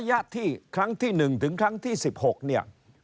ระยะที่ครั้งที่๑ถึงครั้งที่๑๖เนี่ย